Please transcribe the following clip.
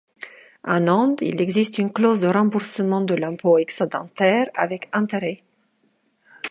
En Inde, il existe une clause de remboursement de l'impôt excédentaire avec intérêts.